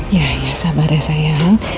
ya ya sabar ya sayang